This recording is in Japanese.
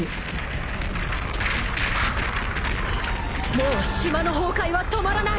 もう島の崩壊は止まらない。